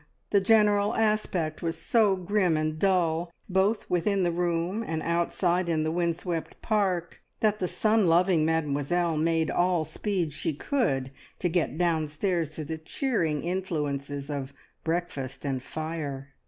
The general aspect was so grim and dull, both within the room and outside in the wind swept park, that the sun loving Mademoiselle made all speed she could to get downstairs to the cheering influences of breakfast and fire.